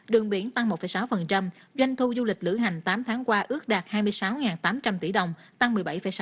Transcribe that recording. đường biển tăng một sáu doanh thu du lịch lữ hành tám tháng qua ước đạt hai mươi sáu tám triệu đồng tăng một mươi bảy sáu